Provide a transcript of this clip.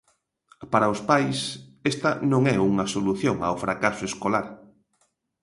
Para os pais, esta non é unha solución ao fracaso escolar.